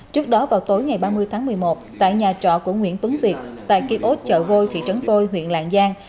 trước đó vào tối ngày ba mươi tháng một mươi một tại nhà trọ của nguyễn tuấn việt tại kiếp ốt chợ vôi thị trấn vôi huyện làng giang